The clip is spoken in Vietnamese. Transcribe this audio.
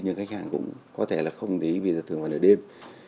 nhưng khách hàng cũng có thể là không lấy vì giờ thường vào lời đêm